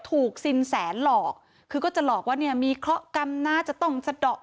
ถูกสินแสหลอกคือก็จะหลอกว่ามีเคราะห์กรรมน่าจะต้องสะดอก